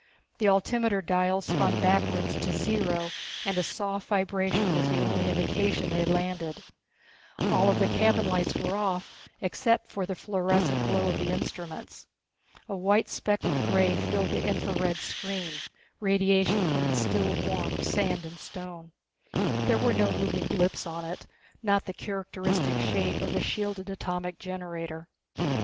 The altimeter dials spun backwards to zero and a soft vibration was the only indication they had landed. All of the cabin lights were off except for the fluorescent glow of the instruments. A white speckled grey filled the infra red screen, radiation from the still warm sand and stone. There were no moving blips on it, not the characteristic shape of a shielded atomic generator.